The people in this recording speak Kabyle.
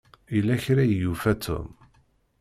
Yella kra i yufa Tom.